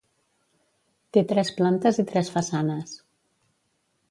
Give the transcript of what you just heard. Té tres plantes i tres façanes.